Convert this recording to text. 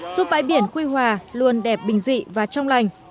giúp bãi biển quy hòa luôn đẹp bình dị và trong lành